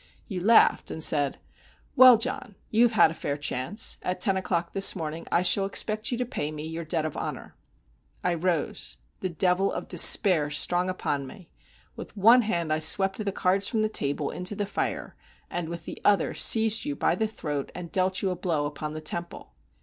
You laughed, and said, 'Well, John, you have had a fair chance. At ten o'clock this morning I shall expect you to pay me your debt of honor.' I rose; the devil of despair strong upon me. With one hand I swept the cards from the table into the fire, and with the other seized you by the throat, and dealt you a blow upon the temple.